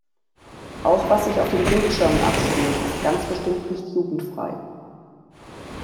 Auch was sich auf den Bildschirmen abspielt, ist ganz bestimmt nicht jugendfrei.